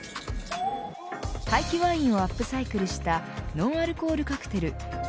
廃棄ワインをアップサイクルしたノンアルコールカクテル０％